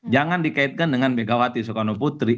jangan dikaitkan dengan megawati soekarnoputri